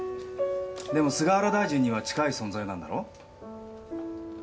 でも菅原大臣には近い存在なんだろ？